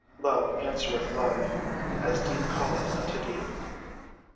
Love answereth love, as deep calleth unto deep.